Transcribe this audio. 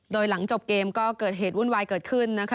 โดยหลังจบเกมก็เกิดเหตุวุ่นวายเกิดขึ้นนะคะ